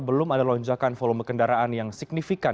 belum ada lonjakan volume kendaraan yang signifikan